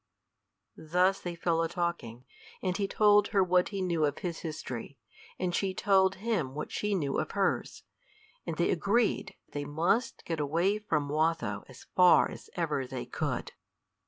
Thus they fell a talking, and he told her what he knew of his history, and she told him what she knew of hers, and they agreed they must get away from Watho as far as ever they could.